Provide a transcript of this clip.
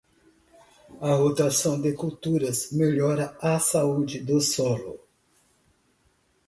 A rotação de culturas melhora a saúde do solo.